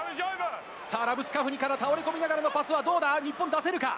さあ、ラブスカフニから、倒れ込みながらのパスはどうだ、日本出せるか？